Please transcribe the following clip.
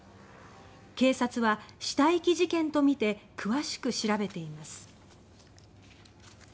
警察は死体遺棄事件とみて詳しく調べています。